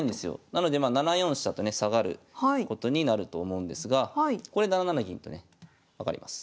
なので７四飛車とね下がることになると思うんですがこれ７七銀とね上がります。